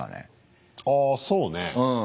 あそうね。